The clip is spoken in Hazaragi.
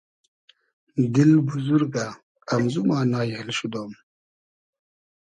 دیل بوزورگۂ امزو ما نایېل شودۉم